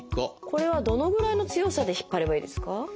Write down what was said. これはどのぐらいの強さで引っ張ればいいですか？